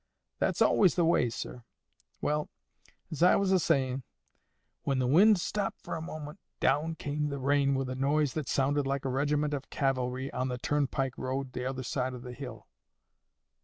That's always the way, sir.—Well, as I was a saying, when the wind stopped for a moment, down came the rain with a noise that sounded like a regiment of cavalry on the turnpike road t'other side of the hill.